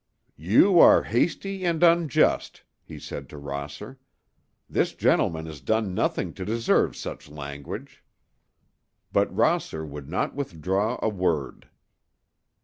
"You are hasty and unjust," he said to Rosser; "this gentleman has done nothing to deserve such language." But Rosser would not withdraw a word.